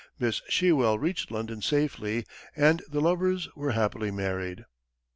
Miss Shewell reached London safely and the lovers were happily married.